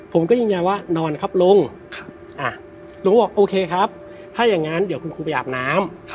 ผมก็ยืนยันว่านอนครับลุงลุงก็บอกโอเคครับถ้าอย่างนั้นเดี๋ยวคุณครูไปอาบน้ำ